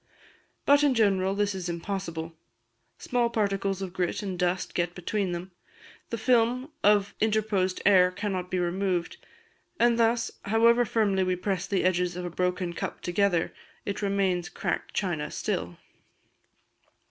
But in general this is impossible: small particles of grit and dust get between them; the film of interposed air cannot be removed; and thus, however firmly we press the edges of a broken cup together, it remains cracked china still.